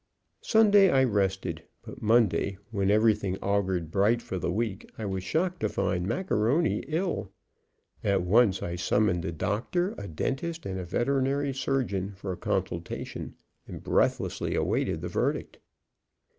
Sunday I rested, but Monday, when everything augured bright for the week, I was shocked to find Macaroni ill. At once I summoned a doctor, a dentist, and a veterinary surgeon for a consultation, and breathlessly awaited the verdict.